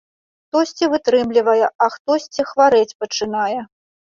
Хтосьці вытрымлівае, а хтосьці хварэць пачынае.